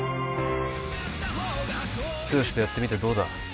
剛とやってみてどうだ？